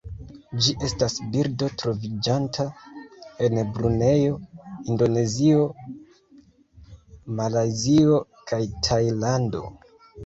Ĝi estas birdo troviĝanta en Brunejo, Indonezio, Malajzio kaj Tajlando.